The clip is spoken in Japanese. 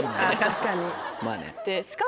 確かに。